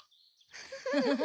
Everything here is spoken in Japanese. フフフ。